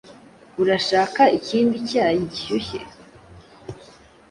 Urashaka ikindi cyayi gishyushye?